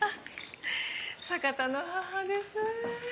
坂田の母です。